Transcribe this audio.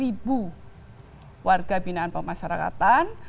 diisi oleh dua ratus tiga warga binaan pemasyarakatan